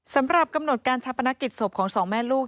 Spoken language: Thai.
สำหรับกำหนดการชาปนกิจศพของสองแม่ลูก